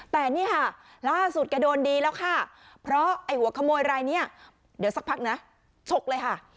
แต่นี่ค่ะล่าสุดแกโดนดีแล้วค่ะเพราะไอ้หัวขโมยรายนี้เดี๋ยวสักพักนะฉกเลยค่ะ